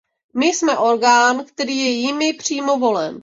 My jsme orgán, který je jimi přímo volen.